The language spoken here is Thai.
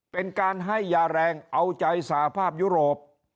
เป็นการให้ยาแรงเอาใจสาภาพยุโรป